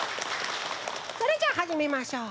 それじゃあはじめましょう。